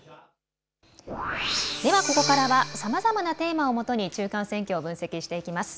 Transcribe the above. ここからはさまざまなテーマをもとに中間選挙を分析していきます。